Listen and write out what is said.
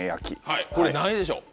はいこれ何位でしょう？